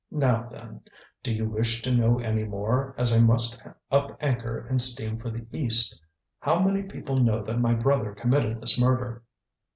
Now, then, do you wish to know any more, as I must up anchor and steam for the East?" "How many people know that my brother committed this murder?"